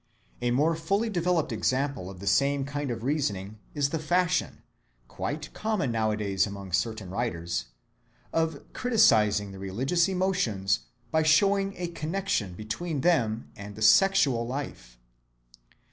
A more fully developed example of the same kind of reasoning is the fashion, quite common nowadays among certain writers, of criticising the religious emotions by showing a connection between them and the sexual life.